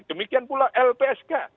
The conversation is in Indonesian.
demikian pula lpsk